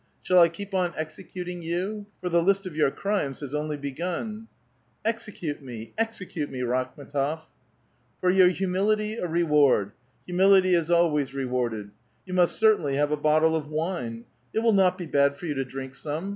Shall I keep on executing you ? for the list of your crimes has only begun." '* Execute me ! execute me, Rakhmetof !"'' For your humility, a reward. Humility is always re warded. You must ceitainly have a bottle of wine. It will not he bad for you to drink some.